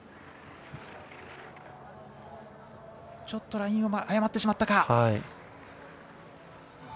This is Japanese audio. ちょっとラインを誤ってしまったか。